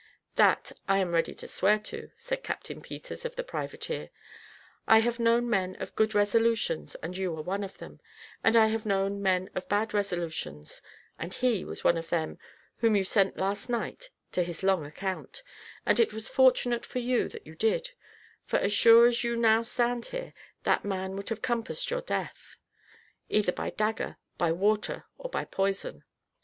"That I am ready to swear to," said Captain Peters, of the privateer: "I have known men of good resolutions, and you are one of them; and I have known men of bad resolutions, and he was one of them whom you sent last night to his long account; and it was fortunate for you that you did; for as sure as you now stand here, that man would have compassed your death, either by dagger, by water, or by poison.